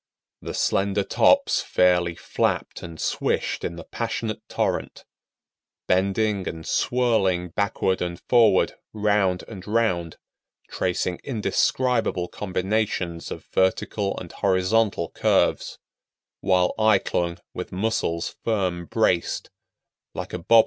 The slender tops fairly flapped and swished in the passionate torrent, bending and swirling backward and forward, round and round, tracing indescribable combinations of vertical and horizontal curves, while I clung with muscles firm braced, like a bobolink on a reed.